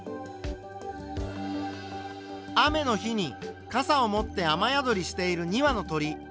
雨の日にかさを持って雨宿りしている２羽の鳥。